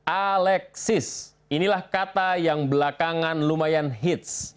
alexis inilah kata yang belakangan lumayan hits